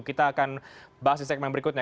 kita akan bahas di segmen berikutnya